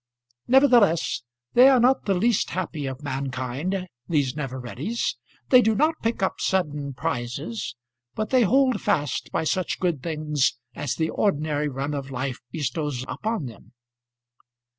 Nevertheless they are not the least happy of mankind, these never readies; they do not pick up sudden prizes, but they hold fast by such good things as the ordinary run of life bestows upon them.